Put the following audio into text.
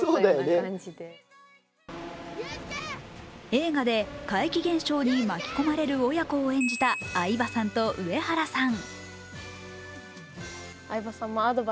映画で怪奇現象に巻き込まれる親子を演じた相葉さんと上原さん。